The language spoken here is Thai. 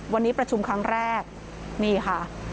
วันนี้ประชุมครั้งแรกนี่ค่ะ